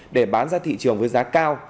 để bán ra thị trường với giá cao